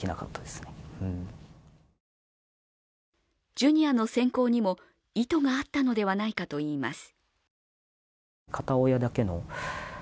Ｊｒ．の選考にも意図があったのではないかといいます。